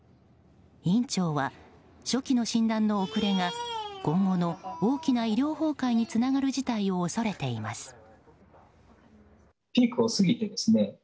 院長は、初期の診断の遅れが今後の大きな医療崩壊につながる事態を恐れています。